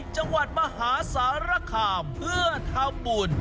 จังหวัดมหาสารคามเพื่อทำบุญ